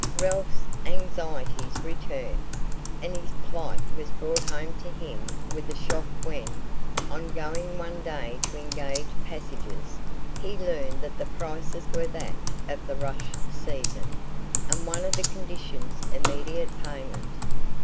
Ralph's anxieties returned, and his plight was brought home to him with a shock when, on going one day to engage passages, he learned that the prices were that of the "rush season," and one of the conditions immediate payment.